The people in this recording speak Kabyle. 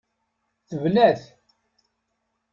Tebna-t.